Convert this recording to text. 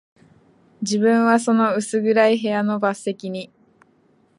自分はその薄暗い部屋の末席に、